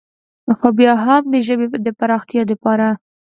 خو بيا هم د ژبې د فراختيا دپاره